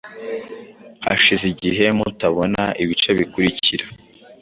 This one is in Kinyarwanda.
Hashize igihe mutabona ibice bikurikira